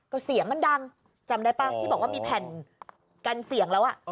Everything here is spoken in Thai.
ก็เสียงมันดังจำได้ป่ะที่บอกว่ามีแผ่นกันเสียงแล้วอ่ะ